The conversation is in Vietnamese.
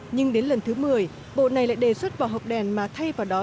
nhưng đến lần thứ một mươi bộ này lại đề xuất vỏ hộp đèn mà thay vào đó